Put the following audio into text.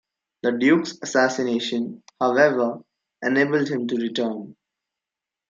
The duke's assassination, however, enabled him to return.